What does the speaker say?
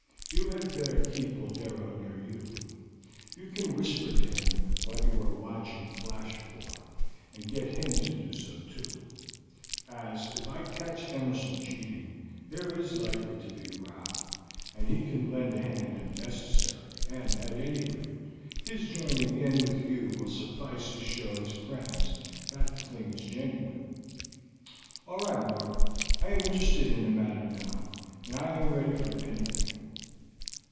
You had better keep Boldero near you. You can whisper to him what you are watching Flash for, and get him to do so too; as, if I catch Emerson cheating, there is likely to be a row; he can lend a hand if necessary, and, at any rate, his joining in with you will suffice to show his friends that the thing is genuine." "All right, Mark. I am interested in the matter now, and am ready for anything."